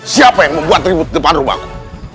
siapa yang membuat ribut di depan rumahku